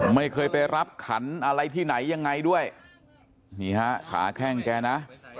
ไม่เคยไปรับขันอะไรที่ไหนยังไงด้วยนี่ฮะขาแข้งแกนะ